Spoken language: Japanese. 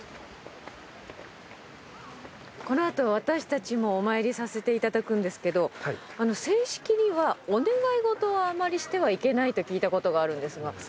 このあと私たちもお参りさせていただくんですけど正式にはお願いごとはあまりしてはいけないと聞いたことがあるんですが。